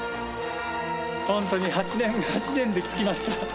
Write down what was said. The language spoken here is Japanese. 本当に８年で着きました。